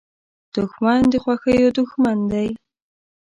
دښمن د خوښیو دوښمن دی